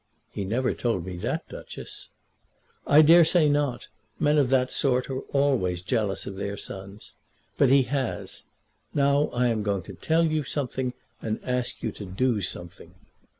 "He never told me that, Duchess." "I dare say not. Men of that sort are always jealous of their sons. But he has. Now I am going to tell you something and ask you to do something."